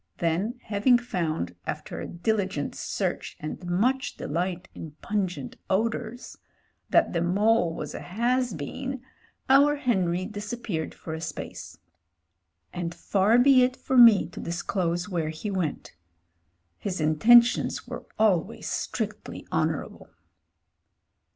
Then having found — after a diligent search and much de light in pungent odours — ^that the mole was a has been, our Henry disappeared for a space. And far be it from me to disclose where he went : his intentions were always strictly honourable.